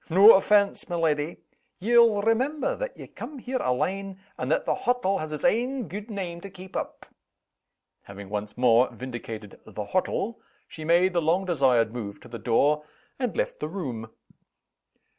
"No offense, my leddy! Ye'll remember that ye cam' here alane, and that the hottle has its ain gude name to keep up." Having once more vindicated "the hottle," she made the long desired move to the door, and left the room.